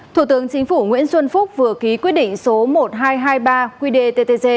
thủ tướng chính phủ nguyễn xuân phúc vừa ký quyết định số một nghìn hai trăm hai mươi ba quy đề ttc